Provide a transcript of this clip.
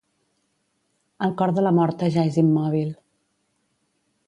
El cor de la morta ja és immòbil.